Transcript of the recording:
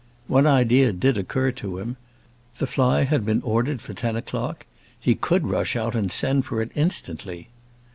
One idea did occur to him. The fly had been ordered for ten o'clock. He could rush out and send for it instantly.